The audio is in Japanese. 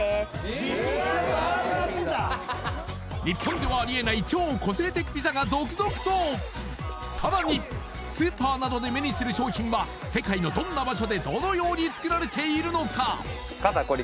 日本ではありえない超個性的ピザが続々とさらにスーパーなどで目にする商品は世界のどんな場所でどのように作られているのか？